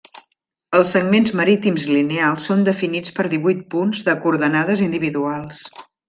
Els segments marítims lineals són definits per divuit punts de coordenades individuals.